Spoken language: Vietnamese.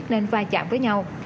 nên vai chạm với nhau